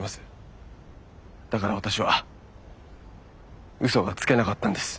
だから私は嘘がつけなかったんです。